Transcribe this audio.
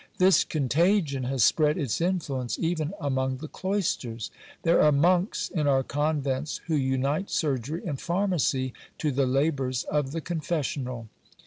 This contagion has spread its influence even among tie cloisters. There are monks in our convents who unite surgery and pharmacy to the labours of the confessional.